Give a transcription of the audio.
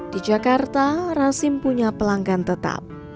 di jakarta rasim punya pelanggan tetap